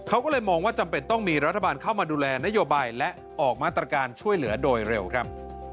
เขาก็เลยมองว่าจำเป็นต้องมีรัฐบาลเข้ามาดูแลนโยบายและออกมาตรการช่วยเหลือโดยเร็วครับ